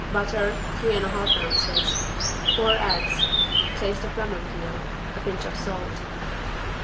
Butter, three and a half ounces. Four eggs. Taste of lemon peel. A pinch of salt.